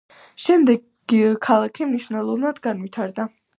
შემდეგ ქალაქი მნიშვნელოვნად განვითარდა.